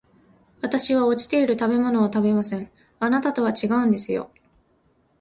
私は落ちている食べ物を食べません、あなたとは違うんですよ